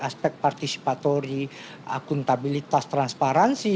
aspek partisipatori akuntabilitas transparansi